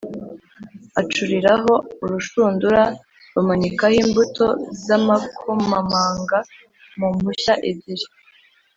acuriraho urushundura, bamanikaho imbuto z’amakomamanga mu mpushya ebyiri